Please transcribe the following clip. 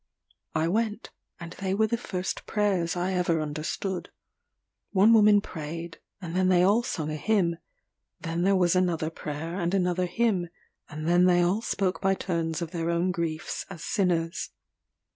I went; and they were the first prayers I ever understood. One woman prayed; and then they all sung a hymn; then there was another prayer and another hymn; and then they all spoke by turns of their own griefs as sinners.